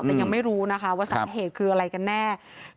แต่ยังไม่รู้นะคะว่าสาเหตุคืออะไรกันแน่